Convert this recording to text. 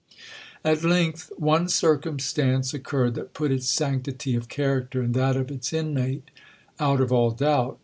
'At length one circumstance occurred that put its sanctity of character, and that of its inmate, out of all doubt.